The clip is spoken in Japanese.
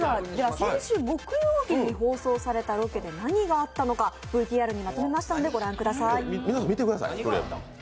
先週木曜日に放送されたロケで何があったのか、ＶＴＲにまとめましたので御覧ください。